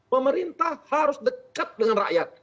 pemerintah harus dekat dengan rakyat